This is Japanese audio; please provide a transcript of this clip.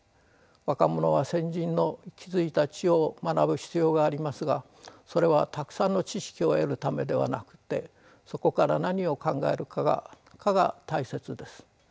若者は先人の築いた知を学ぶ必要がありますがそれはたくさんの知識を得るためではなくてそこから何を考えるかが大切です。